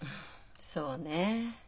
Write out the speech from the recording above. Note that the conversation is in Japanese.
そうね。